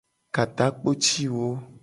Ka takpo ci wo.